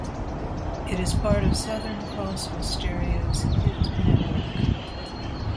It is part of Southern Cross Austereo's Hit Network.